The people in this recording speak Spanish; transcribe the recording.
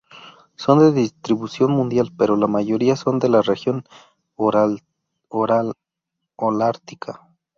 Son de distribución mundial, pero la mayoría son de la región Holártica.